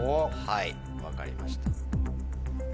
はい分かりました。